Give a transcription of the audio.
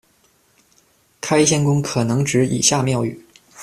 开仙宫可能指以下庙宇：